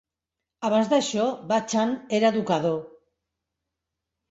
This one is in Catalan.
Abans d'això, Bachand era educador.